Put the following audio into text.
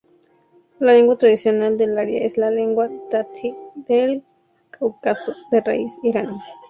La lengua tradicional del área es la lengua tati del Cáucaso, de raíz iraní.